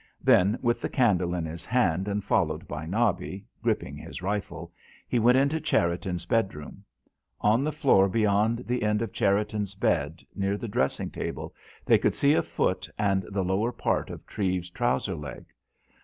Then with the candle in his hand and followed by Nobby, gripping his rifle, he went into Cherriton's bedroom. On the floor beyond the end of Cherriton's bed, near the dressing table, they could see a foot and the lower part of Treves's trouser leg.